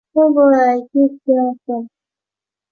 大体上玉钢所含成分如表所示。